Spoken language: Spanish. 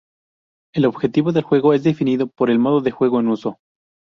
El objetivo del juego es definido por el modo de juego en uso.